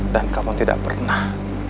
dan kamu tidak pernah